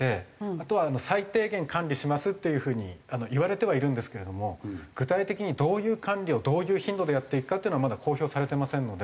あとは最低限管理しますっていう風にいわれてはいるんですけれども具体的にどういう管理をどういう頻度でやっていくかっていうのはまだ公表されていませんので。